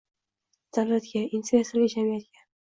Davlatga, investorga, jamiyatga